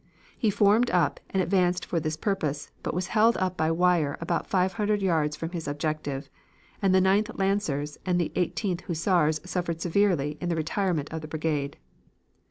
He formed up and advanced for this purpose, but was held up by wire about five hundred yards from his objective, and the Ninth Lancers and the Eighteenth Hussars suffered severely in the retirement of the brigade.